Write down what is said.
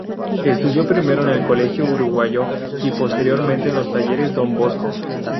Estudió primero en el Colegio Uruguayo y posteriormente en los talleres Don Bosco.